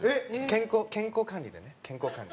健康健康管理でね健康管理。